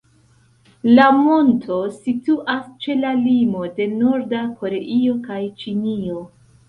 La monto situas ĉe la limo de Norda Koreio kaj Ĉinio.